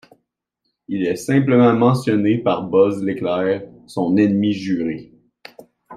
Il est simplement mentionné par Buzz l'Éclair, son ennemi juré.